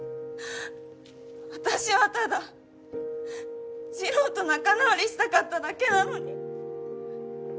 私はただ治郎と仲直りしたかっただけなのに。